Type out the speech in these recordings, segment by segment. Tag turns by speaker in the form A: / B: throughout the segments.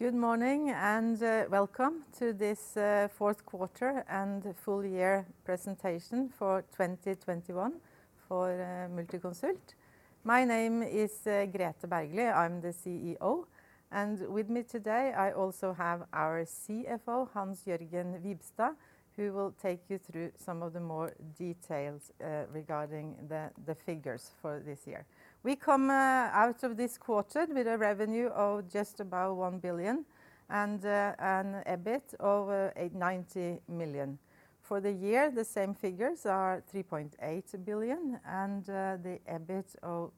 A: Good morning and welcome to this fourth quarter and full year presentation for 2021 for Multiconsult. My name is Grethe Bergly. I'm the CEO. With me today I also have our CFO, Hans-Jørgen Wibstad, who will take you through some of the more details regarding the figures for this year. We come out of this quarter with a revenue of just about 1 billion and an EBIT of 819 million. For the year, the same figures are 3.8 billion and the EBIT of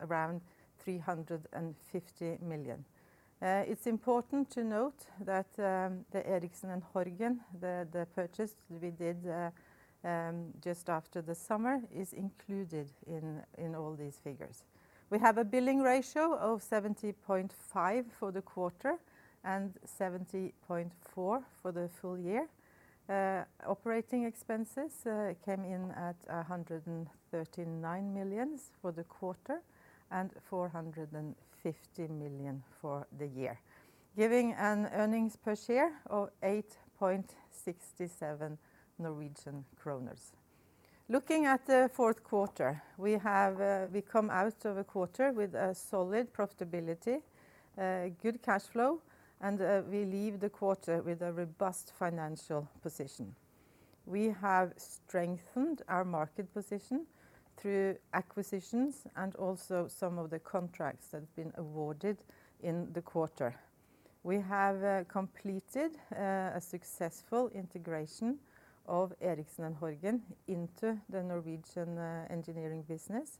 A: around 350 million. It's important to note that the Erichsen & Horgen, the purchase we did just after the summer, is included in all these figures. We have a billing ratio of 70.5% for the quarter and 70.4% for the full year. Operating expenses came in at 139 million for the quarter and 450 million for the year. Giving an earnings per share of 8.67 Norwegian kroner. Looking at the fourth quarter, we come out of the quarter with a solid profitability, good cash flow, and we leave the quarter with a robust financial position. We have strengthened our market position through acquisitions and also some of the contracts that have been awarded in the quarter. We have completed a successful integration of Erichsen & Horgen into the Norwegian engineering business,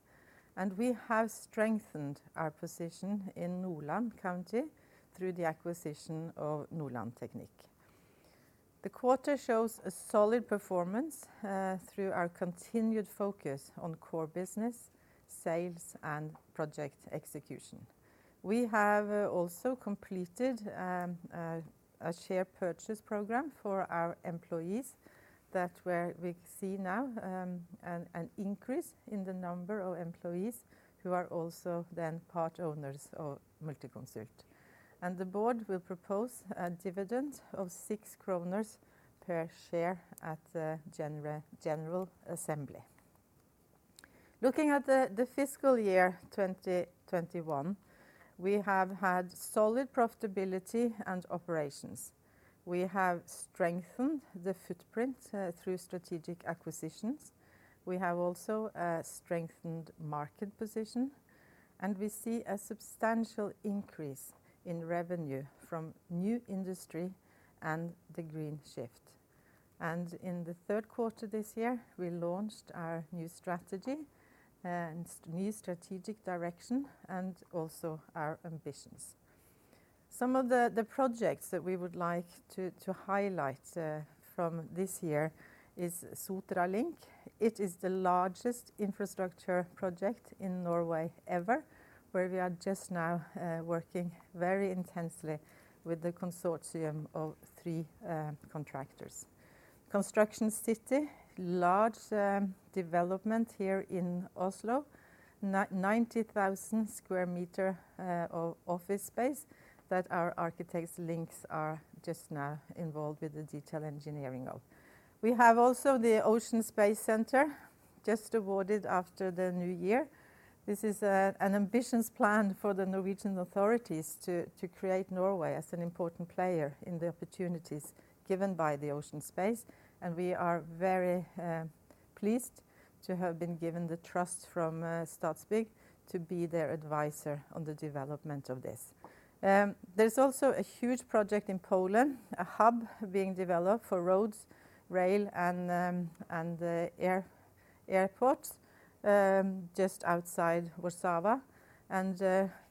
A: and we have strengthened our position in Nordland County through the acquisition of Nordland Teknikk. The quarter shows a solid performance through our continued focus on core business, sales, and project execution. We have also completed a share purchase program for our employees. We see now an increase in the number of employees who are also then part owners of Multiconsult. The board will propose a dividend of 6 kroner per share at general assembly. Looking at the fiscal year 2021, we have had solid profitability and operations. We have strengthened the footprint through strategic acquisitions. We have also a strengthened market position, and we see a substantial increase in revenue from new industry and the green shift. In the third quarter this year, we launched our new strategy and new strategic direction and also our ambitions. Some of the projects that we would like to highlight from this year is Sotrasambandet. It is the largest infrastructure project in Norway ever, where we are just now working very intensely with the consortium of three contractors. Construction City, large development here in Oslo. 90,000 sq m of office space that our architects LINK are just now involved with the detail engineering of. We have also the Ocean Space Centre just awarded after the new year. This is an ambitious plan for the Norwegian authorities to create Norway as an important player in the opportunities given by the ocean space, and we are very pleased to have been given the trust from Statsbygg to be their advisor on the development of this. There's also a huge project in Poland, a hub being developed for roads, rail, and the airport just outside Warszawa.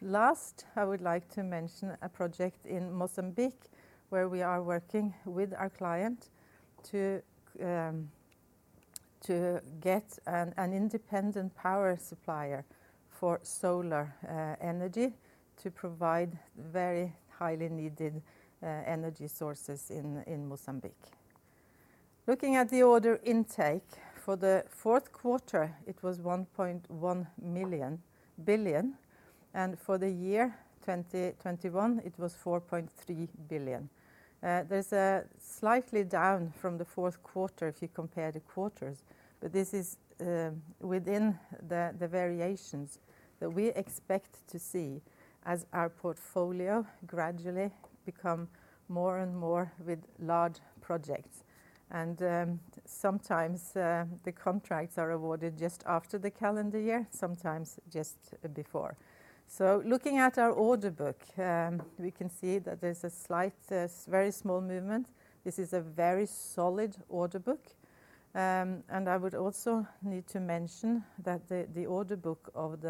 A: Last, I would like to mention a project in Mozambique where we are working with our client to get an independent power supplier for solar energy to provide very highly needed energy sources in Mozambique. Looking at the order intake. For the fourth quarter, it was 1.1 billion, and for the year 2021 it was 4.3 billion. It's slightly down from the fourth quarter if you compare the quarters, but this is within the variations that we expect to see as our portfolio gradually become more and more with large projects. Sometimes, the contracts are awarded just after the calendar year, sometimes just before. Looking at our order book, we can see that there's a slight very small movement. This is a very solid order book. I would also need to mention that the order book of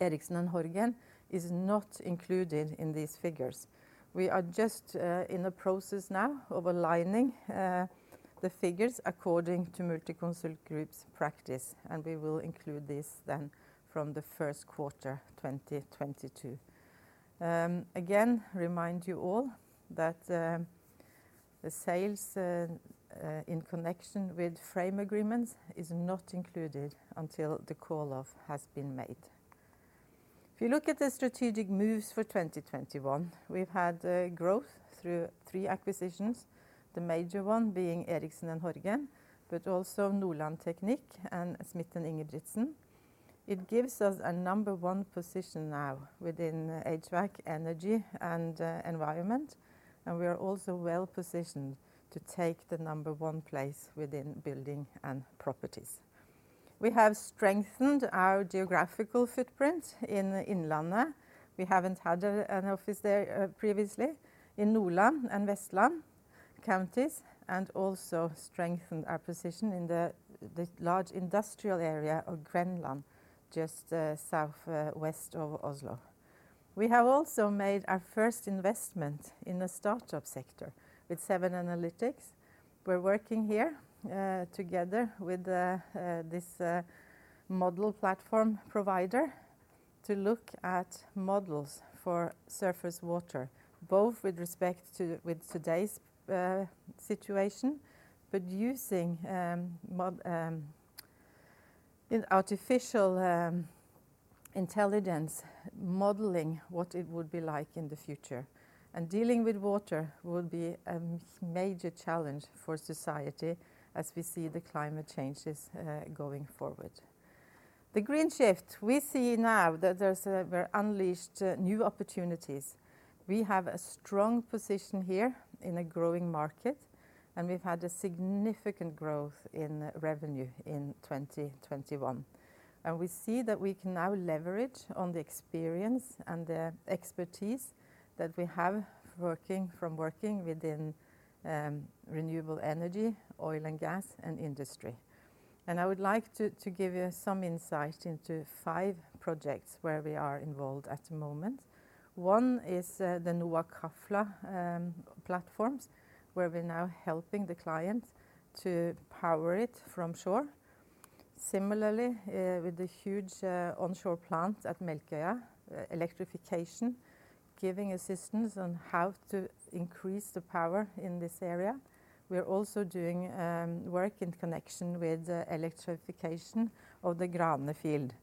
A: Erichsen & Horgen is not included in these figures. We are just in the process now of aligning the figures according to Multiconsult Group's practice, and we will include this then from the first quarter 2022. Again, remind you all that the sales in connection with frame agreements is not included until the call-off has been made. If you look at the strategic moves for 2021, we've had growth through three acquisitions, the major one being Erichsen & Horgen, but also Nordland Teknikk and Smidt & Ingebrigtsen. It gives us a number one position now within HVAC, energy, and environment, and we are also well-positioned to take the number one place within Buildings & Properties. We have strengthened our geographical footprint in Innlandet. We haven't had an office there previously in Nordland and Vestland counties, and also strengthened our position in the large industrial area of Grenland, just southwest of Oslo. We have also made our first investment in the startup sector with 7Analytics. We're working here together with this model platform provider to look at models for surface water, both with respect to today's situation, but using in artificial intelligence modeling what it would be like in the future. Dealing with water will be a major challenge for society as we see the climate changes going forward. The green shift, we see now that there are unleashed new opportunities. We have a strong position here in a growing market, and we've had a significant growth in revenue in 2021. We see that we can now leverage on the experience and the expertise that we have working within Renewable Energy, oil and gas, and Industry. I would like to give you some insight into five projects where we are involved at the moment. One is the NOA Krafla platforms, where we're now helping the client to power it from shore. Similarly, with the huge onshore plant at Melkøya electrification, giving assistance on how to increase the power in this area. We are also doing work in connection with the electrification of the Grane field.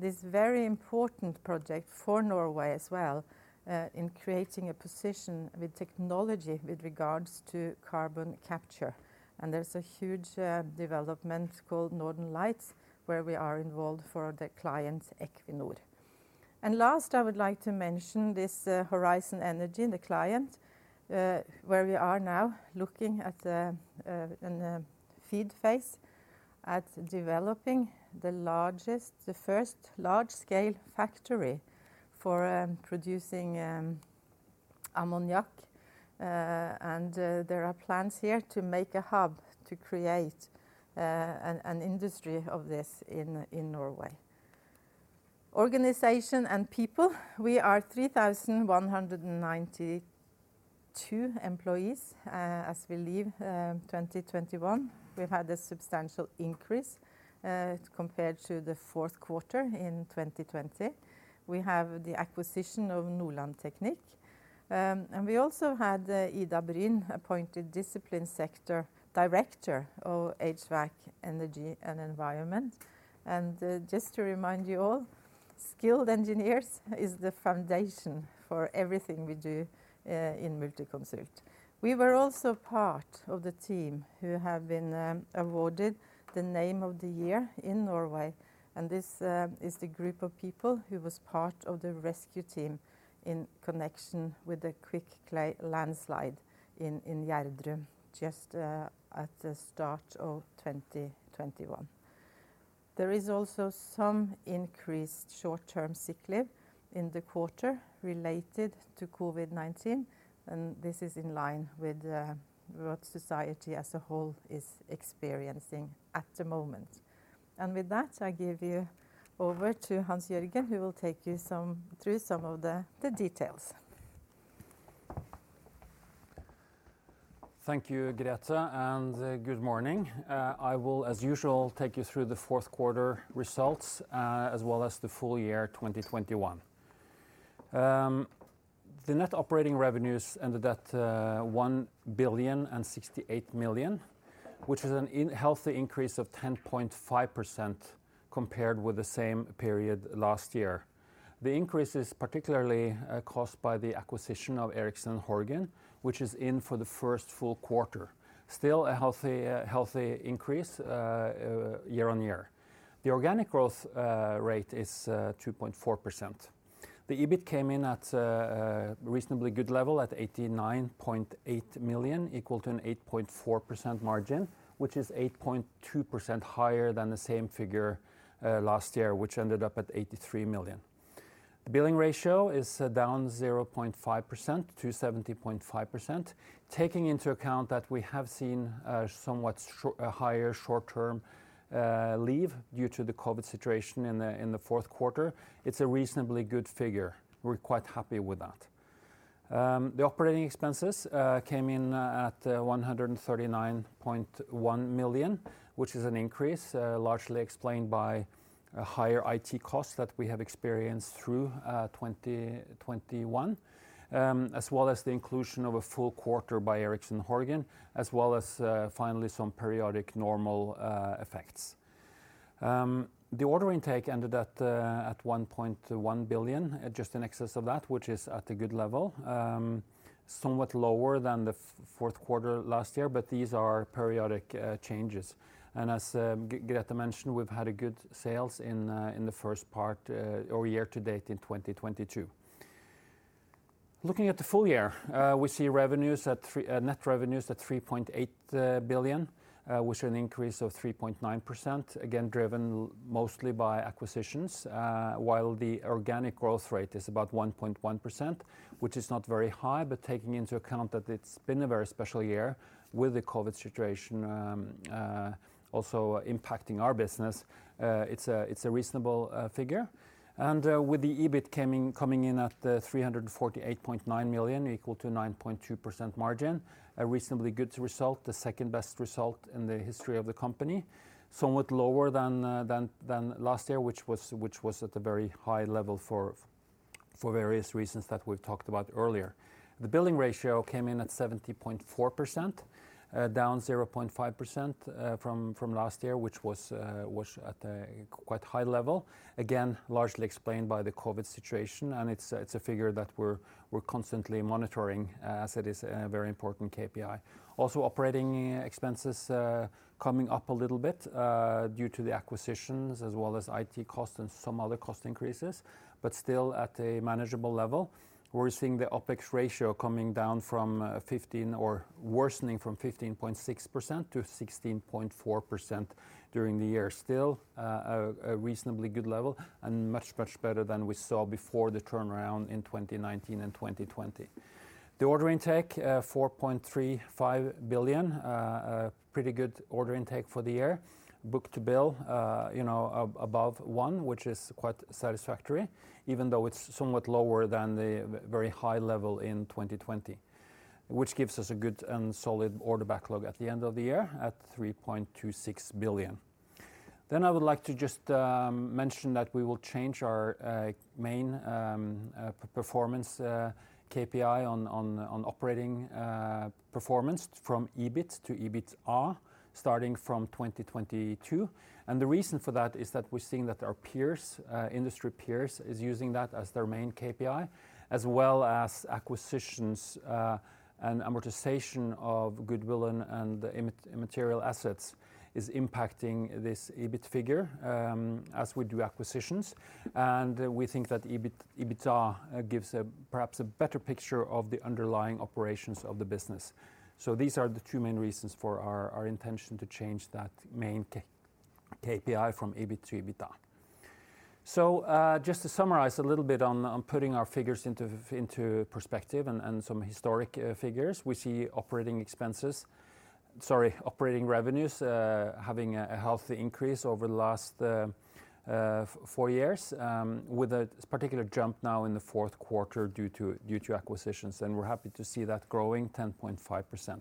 A: This very important project for Norway as well, in creating a position with technology with regards to carbon capture, and there's a huge development called Northern Lights, where we are involved for the client Equinor. Last, I would like to mention this, Horisont Energi, the client, where we are now looking at the, in the feed phase at developing the largest, the first large-scale factory for producing ammonia. There are plans here to make a hub to create an industry of this in Norway. Organization and people, we are 3,192 employees, as we leave 2021. We've had a substantial increase, compared to the fourth quarter in 2020. We have the acquisition of Nordland Teknikk. We also had Ida Bryn appointed discipline sector director of HVAC, energy, and environment. Just to remind you all, skilled engineers is the foundation for everything we do in Multiconsult. We were also part of the team who have been awarded the Name of the Year in Norway, and this is the group of people who was part of the rescue team in connection with the quick clay landslide in Gjerdrum just at the start of 2021. There is also some increased short-term sick leave in the quarter related to COVID-19, and this is in line with what society as a whole is experiencing at the moment. With that, I give you over to Hans-Jørgen, who will take you through some of the details.
B: Thank you, Grethe, and good morning. I will, as usual, take you through the fourth quarter results, as well as the full year 2021. The net operating revenues ended at 1,068 million, which is a healthy increase of 10.5% compared with the same period last year. The increase is particularly caused by the acquisition of Erichsen & Horgen, which is in for the first full quarter. Still a healthy increase year on year. The organic growth rate is 2.4%. The EBIT came in at a reasonably good level at 89.8 million, equal to an 8.4% margin, which is 8.2% higher than the same figure last year, which ended up at 83 million. The billing ratio is down 0.5%-70.5%. Taking into account that we have seen a somewhat higher short-term leave due to the COVID situation in the fourth quarter, it's a reasonably good figure. We're quite happy with that. The operating expenses came in at 139.1 million, which is an increase largely explained by a higher IT cost that we have experienced through 2021, as well as the inclusion of a full quarter by Erichsen & Horgen, as well as finally some periodic normal effects. The order intake ended at 1.1 billion, at just in excess of that, which is at a good level, somewhat lower than the fourth quarter last year, but these are periodic changes. As Grethe mentioned, we've had good sales in the first part or year to date in 2022. Looking at the full year, we see net revenues at 3.8 billion, which is an increase of 3.9%, again driven mostly by acquisitions, while the organic growth rate is about 1.1%, which is not very high, but taking into account that it's been a very special year with the COVID-19 situation also impacting our business, it's a reasonable figure. With the EBIT coming in at 348.9 million equal to 9.2% margin, a reasonably good result, the second-best result in the history of the company. Somewhat lower than last year, which was at a very high level for various reasons that we've talked about earlier. The billing ratio came in at 70.4%, down 0.5% from last year, which was at a quite high level. Again, largely explained by the COVID situation, and it's a figure that we're constantly monitoring, as it is a very important KPI. Also operating expenses coming up a little bit due to the acquisitions as well as IT costs and some other cost increases, but still at a manageable level. We're seeing the OpEx ratio worsening from 15.6%-16.4% during the year. Still, a reasonably good level and much better than we saw before the turnaround in 2019 and 2020. The order intake 4.35 billion, a pretty good order intake for the year. Book to bill, you know, above one, which is quite satisfactory, even though it's somewhat lower than the very high level in 2020, which gives us a good and solid order backlog at the end of the year at 3.26 billion. I would like to just mention that we will change our main performance KPI on operating performance from EBIT to EBITA starting from 2022. The reason for that is that we're seeing that our peers, industry peers, is using that as their main KPI, as well as acquisitions, and amortization of goodwill and immaterial assets is impacting this EBIT figure, as we do acquisitions. We think that EBIT, EBITA gives perhaps a better picture of the underlying operations of the business. These are the two main reasons for our intention to change that main KPI from EBIT to EBITA. Just to summarize a little bit on putting our figures into perspective and some historic figures. We see operating revenues having a healthy increase over the last four years, with a particular jump now in the fourth quarter due to acquisitions, and we're happy to see that growing 10.5%.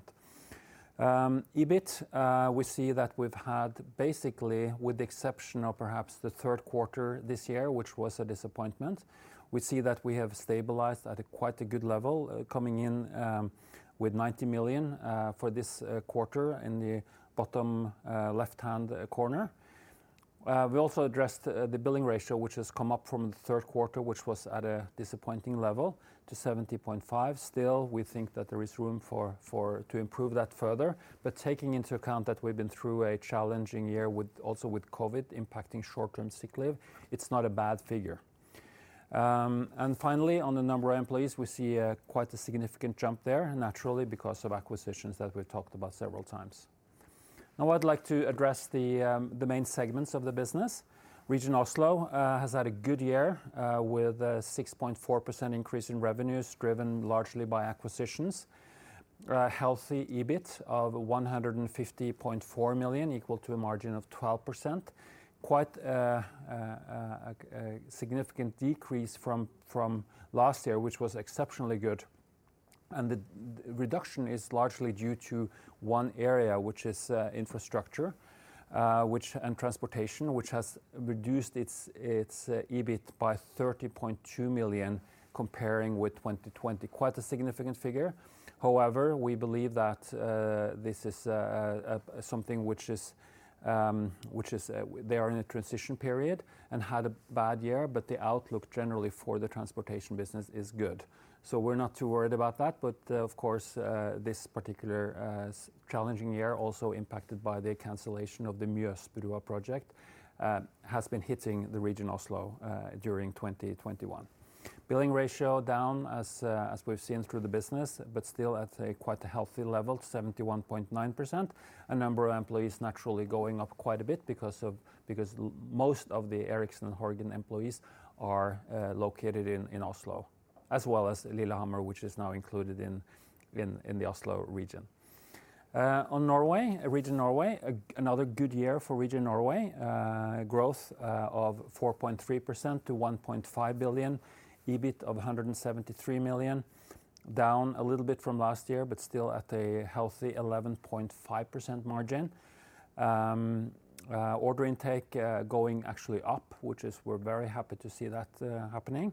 B: EBIT, we see that we've had basically, with the exception of perhaps the third quarter this year, which was a disappointment, we see that we have stabilized at a quite good level, coming in with 90 million for this quarter in the bottom left-hand corner. We also addressed the billing ratio, which has come up from the third quarter, which was at a disappointing level to 70.5%. Still, we think that there is room to improve that further. Taking into account that we've been through a challenging year with COVID impacting short-term sick leave, it's not a bad figure. And finally, on the number of employees, we see a quite significant jump there, naturally because of acquisitions that we've talked about several times. Now I'd like to address the main segments of the business. Region Oslo has had a good year with a 6.4% increase in revenues driven largely by acquisitions. A healthy EBIT of 150.4 million, equal to a margin of 12%. Quite a significant decrease from last year, which was exceptionally good. The reduction is largely due to one area, which is infrastructure and transportation, which has reduced its EBIT by 30.2 million comparing with 2020. Quite a significant figure. However, we believe that they are in a transition period and had a bad year, but the outlook generally for the transportation business is good. We're not too worried about that, but of course, this particular challenging year also impacted by the cancellation of the Mjøsbrua project has been hitting the Region Oslo during 2021. Billing ratio down as we've seen through the business, but still at a quite healthy level, 71.9%. The number of employees naturally going up quite a bit because of most of the Erichsen & Horgen employees are located in Oslo, as well as Lillehammer, which is now included in the Oslo region. On Norway, Region Norway, another good year for Region Norway. Growth of 4.3% to 1.5 billion. EBIT of 173 million, down a little bit from last year, but still at a healthy 11.5% margin. Order intake going actually up, which we're very happy to see that happening.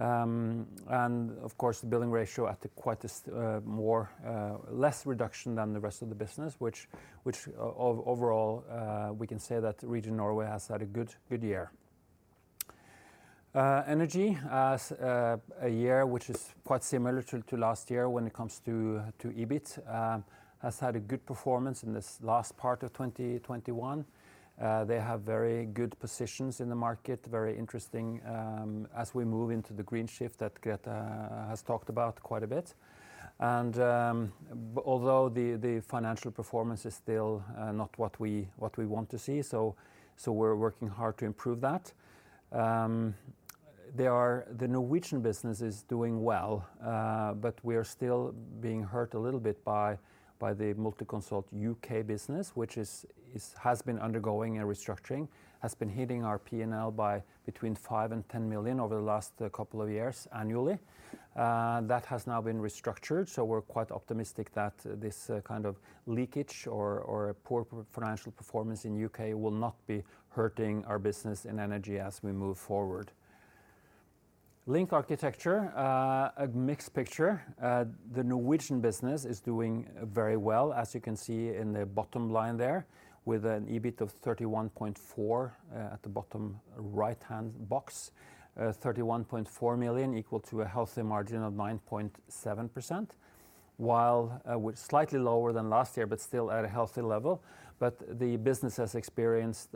B: Of course, the billing ratio at a more modest reduction than the rest of the business, which overall we can say that Region Norway has had a good year. Energy has had a year which is quite similar to last year when it comes to EBIT. Has had a good performance in this last part of 2021. They have very good positions in the market, very interesting, as we move into the green shift that Grethe has talked about quite a bit. Although the financial performance is still not what we want to see, we're working hard to improve that. The Norwegian business is doing well, but we are still being hurt a little bit by the Multiconsult UK business, which has been undergoing a restructuring, has been hitting our P&L by 5 million-10 million over the last couple of years annually. That has now been restructured, so we're quite optimistic that this kind of leakage or poor financial performance in U.K. will not be hurting our business anymore as we move forward. LINK Arkitektur, a mixed picture. The Norwegian business is doing very well, as you can see in the bottom line there, with an EBIT of 31.4 million at the bottom right-hand box. 31.4 million equal to a healthy margin of 9.7%, while slightly lower than last year, but still at a healthy level. The business has experienced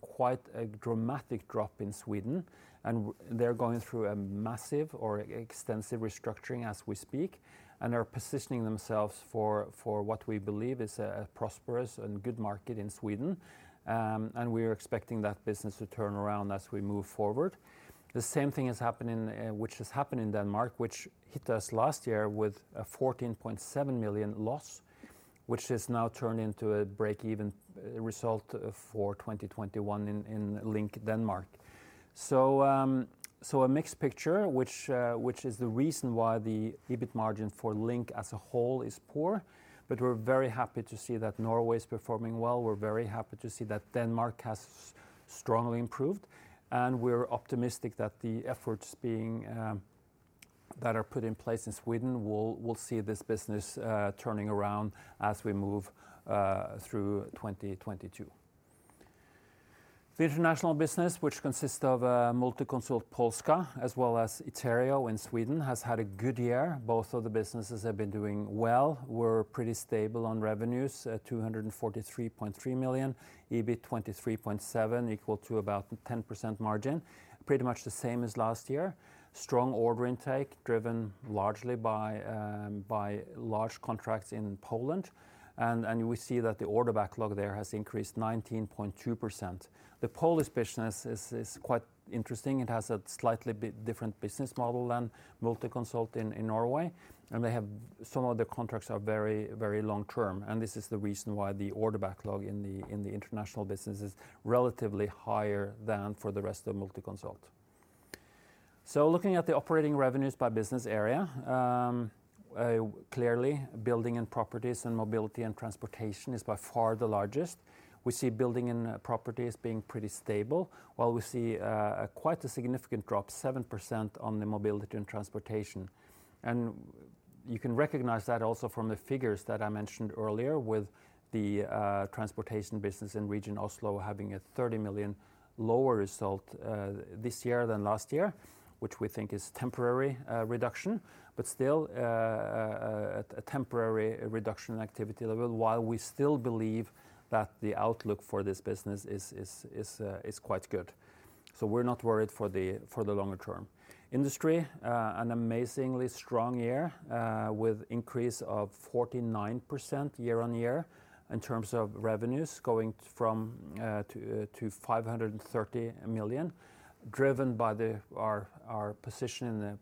B: quite a dramatic drop in Sweden, and they're going through a massive or extensive restructuring as we speak, and are positioning themselves for what we believe is a prosperous and good market in Sweden. We're expecting that business to turn around as we move forward. The same thing is happening, which has happened in Denmark, which hit us last year with a 14.7 million loss, which has now turned into a break-even result for 2021 in LINK Denmark. A mixed picture, which is the reason why the EBIT margin for LINK as a whole is poor. We're very happy to see that Norway is performing well. We're very happy to see that Denmark has strongly improved, and we're optimistic that the efforts that are put in place in Sweden will see this business turning around as we move through 2022. The international business, which consists of Multiconsult Polska, as well as Iterio in Sweden, has had a good year. Both of the businesses have been doing well. We're pretty stable on revenues at 243.3 million, EBIT 23.7 million, equal to about 10% margin. Pretty much the same as last year. Strong order intake, driven largely by large contracts in Poland. We see that the order backlog there has increased 19.2%. The Polish business is quite interesting. It has a slightly different business model than Multiconsult in Norway, and they have some of the contracts are very long-term. This is the reason why the order backlog in the international business is relatively higher than for the rest of Multiconsult. Looking at the operating revenues by business area, clearly Buildings & Properties and Mobility & Transportation is by far the largest. We see Buildings & Properties being pretty stable, while we see quite a significant drop, 7%, on the Mobility & Transportation. You can recognize that also from the figures that I mentioned earlier with the transportation business in Region Oslo having a 30 million lower result this year than last year, which we think is temporary reduction, but still a temporary reduction in activity level, while we still believe that the outlook for this business is quite good. We're not worried for the longer term. Industry an amazingly strong year with increase of 49% year-on-year in terms of revenues going to 530 million, driven by our position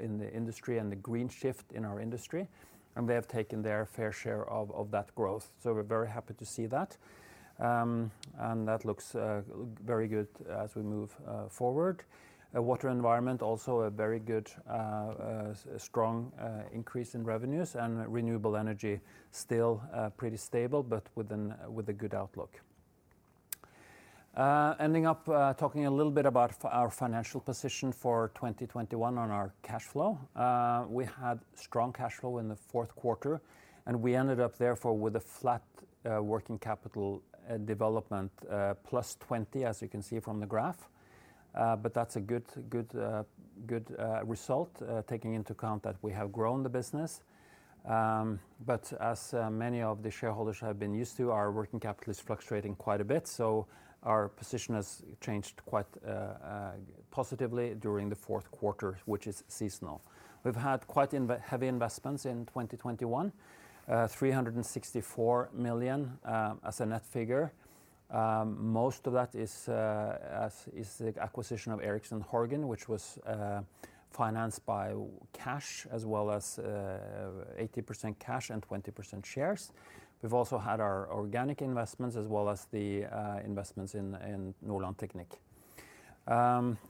B: in the industry and the green shift in our industry. They have taken their fair share of that growth. We're very happy to see that. That looks very good as we move forward. Water & Environment also a very good strong increase in revenues, and Renewable Energy still pretty stable, but with a good outlook. Ending up talking a little bit about our financial position for 2021 on our cash flow. We had strong cash flow in the fourth quarter, and we ended up therefore with a flat working capital development +20, as you can see from the graph. That's a good result taking into account that we have grown the business. As many of the shareholders have been used to, our working capital is fluctuating quite a bit, so our position has changed quite positively during the fourth quarter, which is seasonal. We've had quite heavy investments in 2021, 364 million as a net figure. Most of that is the acquisition of Erichsen & Horgen, which was financed by cash as well as 80% cash and 20% shares. We've also had our organic investments as well as the investments in Nordland Teknikk.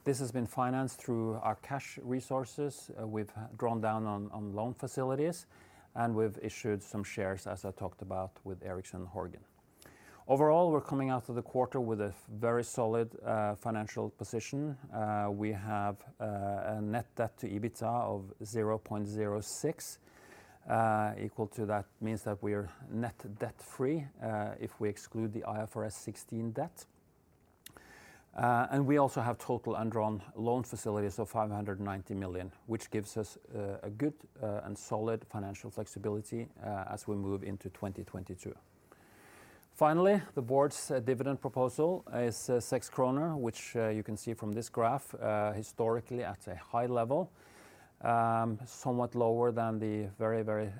B: This has been financed through our cash resources. We've drawn down on loan facilities, and we've issued some shares, as I talked about with Erichsen & Horgen. Overall, we're coming out of the quarter with a very solid financial position. We have a net debt to EBITDA of 0.06. Equal to that means that we're net debt free, if we exclude the IFRS 16 debt. We also have total undrawn loan facilities of 590 million, which gives us a good and solid financial flexibility, as we move into 2022. Finally, the board's dividend proposal is 6 kroner, which you can see from this graph, historically at a high level. Somewhat lower than the very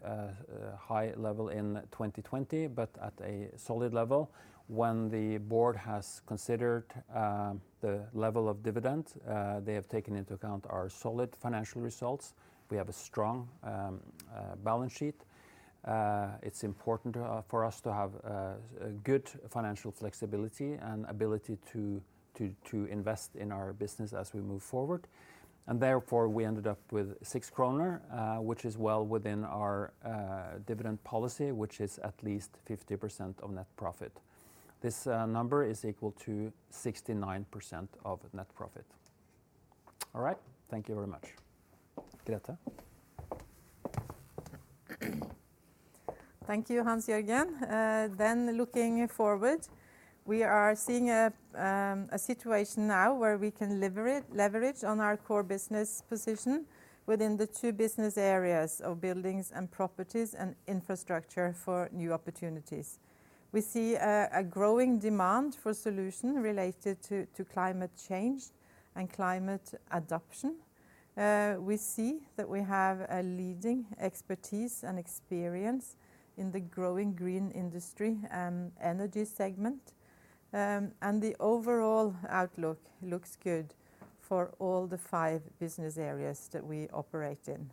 B: high level in 2020, but at a solid level. When the board has considered the level of dividend, they have taken into account our solid financial results. We have a strong balance sheet. It's important for us to have a good financial flexibility and ability to invest in our business as we move forward. Therefore, we ended up with 6 kroner, which is well within our dividend policy, which is at least 50% of net profit. This number is equal to 69% of net profit. All right. Thank you very much. Grethe?
A: Thank you, Hans-Jørgen. Looking forward, we are seeing a situation now where we can leverage on our core business position within the two business areas of Buildings & Properties and infrastructure for new opportunities. We see a growing demand for solution related to climate change and climate adaptation. We see that we have a leading expertise and experience in the growing green industry and energy segment. The overall outlook looks good for all the five business areas that we operate in.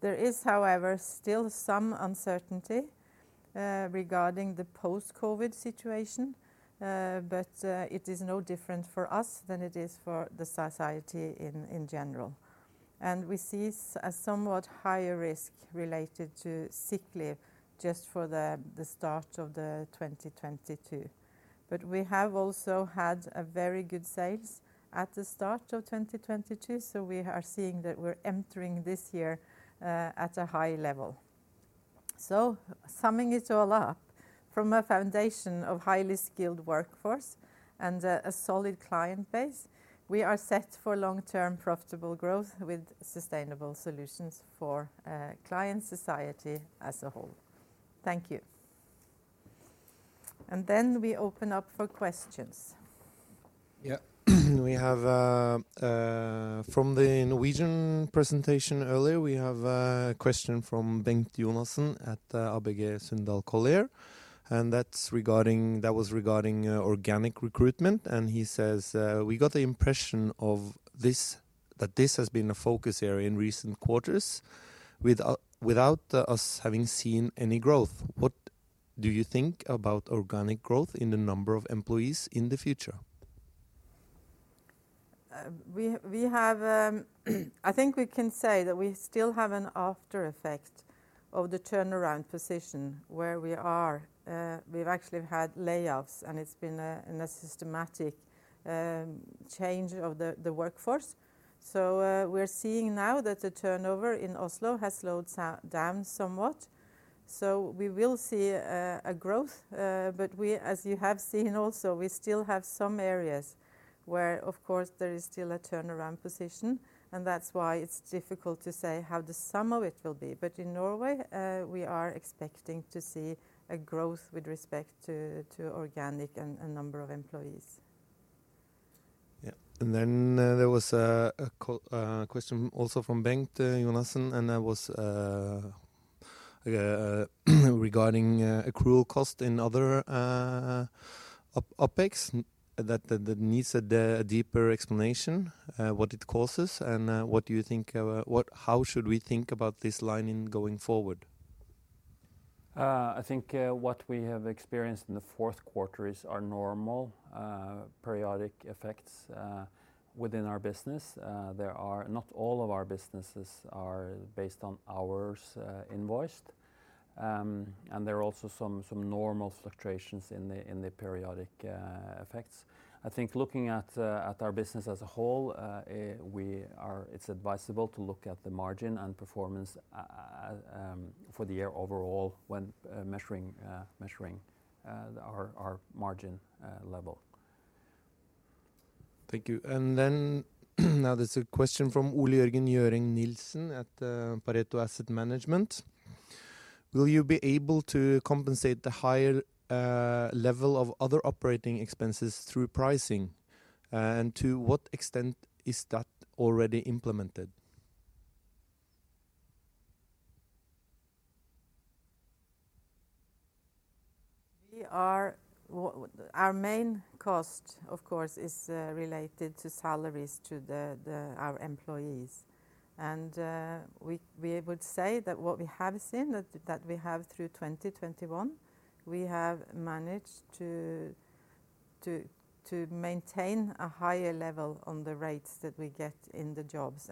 A: There is, however, still some uncertainty regarding the post-COVID situation, but it is no different for us than it is for the society in general. We see a somewhat higher risk related to sick leave just for the start of 2022. We have also had a very good sales at the start of 2022, so we are seeing that we're entering this year at a high level. Summing it all up, from a foundation of highly skilled workforce and a solid client base, we are set for long-term profitable growth with sustainable solutions for client society as a whole. Thank you. Then we open up for questions.
C: Yeah. We have from the Norwegian presentation earlier, we have a question from Bengt Jonassen at ABG Sundal Collier, and that's regarding organic recruitment. He says, "We got the impression this has been a focus area in recent quarters without us having seen any growth. What do you think about organic growth in the number of employees in the future?
A: We have. I think we can say that we still have an after effect of the turnaround position where we are. We've actually had layoffs, and it's been a systematic change of the workforce. We're seeing now that the turnover in Oslo has slowed down somewhat, so we will see a growth. As you have seen also, we still have some areas where, of course, there is still a turnaround position, and that's why it's difficult to say how the sum of it will be. In Norway, we are expecting to see a growth with respect to organic and number of employees.
C: Yeah. There was a question also from Bengt Jonassen, and that was regarding accrual cost in other OpEx that needs a deeper explanation, what it causes and what do you think, how should we think about this line going forward?
B: I think what we have experienced in the fourth quarter is our normal periodic effects within our business. Not all of our businesses are based on hours invoiced. There are also some normal fluctuations in the periodic effects. I think looking at our business as a whole, it's advisable to look at the margin and performance for the year overall when measuring our margin level.
C: Thank you. Now there's a question from Ole Jørgen Grøneng Nilsen at Pareto Asset Management: Will you be able to compensate the higher level of other operating expenses through pricing? To what extent is that already implemented?
A: Our main cost, of course, is related to salaries to our employees. We would say that what we have seen that we have through 2021 managed to maintain a higher level on the rates that we get in the jobs.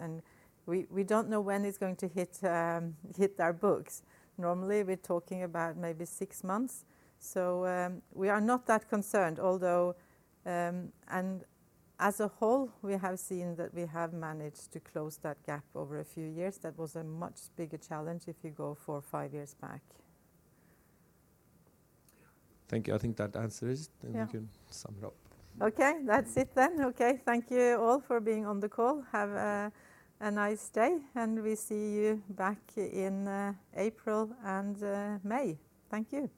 A: We don't know when it's going to hit our books. Normally, we're talking about maybe six months. We are not that concerned, although and as a whole, we have seen that we have managed to close that gap over a few years. That was a much bigger challenge if you go four or five years back.
C: Yeah. Thank you. I think that answers it.
A: Yeah.
C: We can sum it up.
A: Okay. That's it then. Okay. Thank you all for being on the call. Have a nice day, and we see you back in April and May. Thank you.